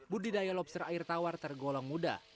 budidaya lobster air tawar tergolong muda